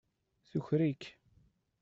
Tuker-ik.